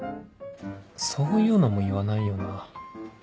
そういうのも言わないよな